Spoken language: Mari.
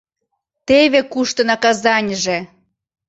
Теве кушто наказаньыже!